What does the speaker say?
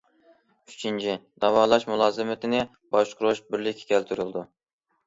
ئۈچىنچى، داۋالاش مۇلازىمىتىنى باشقۇرۇش بىرلىككە كەلتۈرۈلىدۇ.